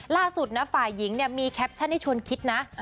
ล่าสุดฝ่ายหญิงมีแคปชั่นให้ชวนคิดนะ